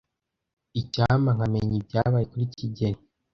Icyampa nkamenya ibyabaye kuri kigeli.